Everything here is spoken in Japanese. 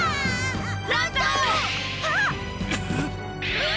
あっ！